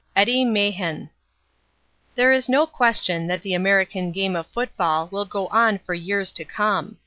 Eddie Mahan There is no question that the American game of football will go on for years to come.